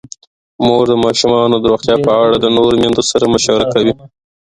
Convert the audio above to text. مور د ماشومانو د روغتیا په اړه د نورو میندو سره مشوره کوي.